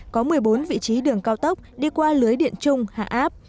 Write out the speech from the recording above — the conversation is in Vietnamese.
có một mươi bốn vị trí đường cao tốc đi qua lưới điện chung hạ áp